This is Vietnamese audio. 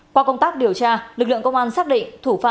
qua công tác điều tra lực lượng công an xác định